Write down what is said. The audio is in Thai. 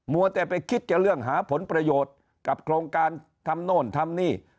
วัวแต่ไปคิดจะเรื่องหาผลประโยชน์กับโครงการทำโน่นทำนี่